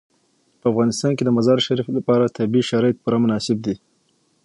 په افغانستان کې د مزارشریف لپاره طبیعي شرایط پوره مناسب دي.